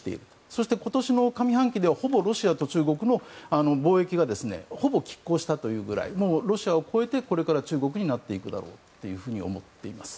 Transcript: そして今年の上半期にはロシアと中国の貿易がほぼ拮抗したというぐらいロシアを超えてこれから中国になっていくだろうと思っています。